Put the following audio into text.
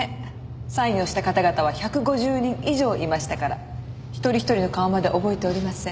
サインをした方々は１５０人以上いましたから一人一人の顔まで覚えておりません。